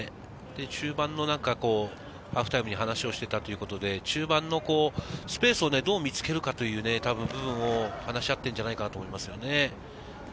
中盤の、ハーフタイムに話をしていたということで、スペースをどう見つけるかという部分を話し合っているんじゃないかと思いますね。